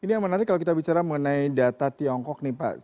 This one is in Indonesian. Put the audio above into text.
ini yang menarik kalau kita bicara mengenai data tiongkok nih pak